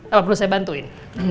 apa perlu saya bantuin